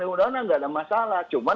di undang undang nggak ada masalah cuma